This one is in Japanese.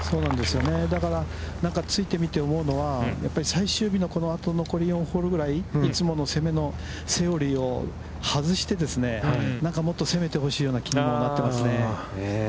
だから、なんかついてみて思うのは、やっぱり最終日のこのあと、残り４ホールくらい、いつもの攻めのセオリーを外してですね、なんかもっと攻めてほしい気になってますよね。